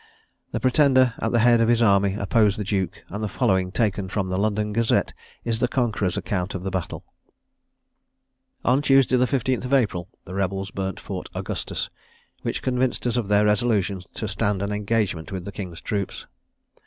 The Pretender, at the head of his army, opposed the Duke, and the following, taken from the London Gazette, is the conqueror's account of the battle: "On Tuesday the 15th of April the rebels burnt Fort Augustus, which convinced us of their resolution to stand an engagement with the King's troops.